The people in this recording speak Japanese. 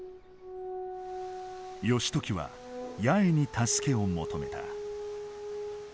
義時は八重に助けを求めた。